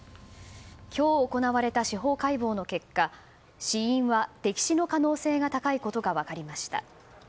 今日行われた司法解剖の結果死因は溺死の可能性が高いことが分かりました。